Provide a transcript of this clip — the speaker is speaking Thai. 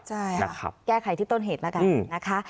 ใช่ค่ะแก้ไขที่ต้นเหตุแล้วกันนะคะ